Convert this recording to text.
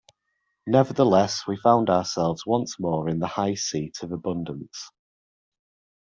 Nevertheless we found ourselves once more in the high seat of abundance.